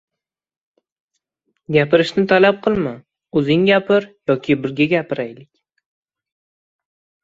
Gapirishni talab qilma, oʻzing gapir yoki birga gapiraylik.